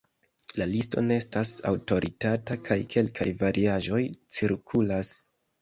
La listo ne estas aŭtoritata kaj kelkaj variaĵoj cirkulas.